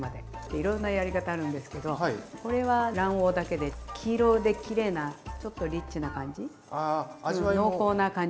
いろんなやり方あるんですけどこれは卵黄だけで黄色できれいなちょっとリッチな感じ？